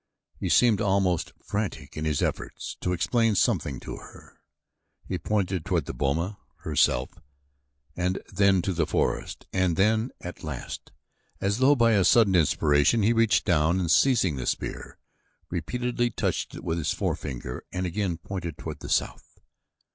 He seemed almost frantic in his efforts to explain something to her. He pointed toward the boma, herself, and then to the forest, and then, at last, as though by a sudden inspiration, he reached down and, seizing the spear, repeatedly touched it with his forefinger and again pointed toward the south.